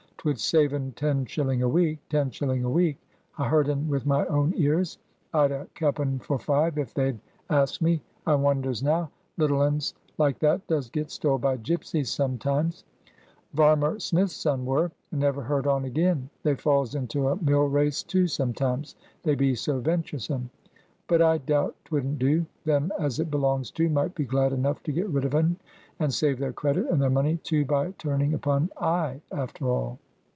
'Twould save un ten shilling a week. Ten shilling a week! I heard un with my own ears. I'd a kep' un for five, if they'd asked me. I wonders now. Little uns like that does get stole by gipsies sometimes. Varmer Smith's son were, and never heard on again. They falls into a mill race too sometimes. They be so venturesome. But I doubt 'twouldn't do. Them as it belongs to might be glad enough to get rid of un, and save their credit and their money too by turning upon I after all."